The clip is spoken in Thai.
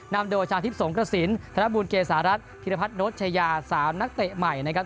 นำโดยชาทิพย์สงกระสินธนบุญเกษารัฐพิรพัฒนโชชยา๓นักเตะใหม่นะครับ